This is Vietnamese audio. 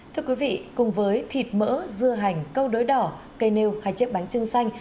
thưa quý vị cùng với thịt mỡ dưa hành câu đối đỏ cây nêu hay chiếc bánh trưng xanh